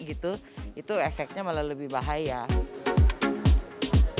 itu efeknya malah lebih bahaya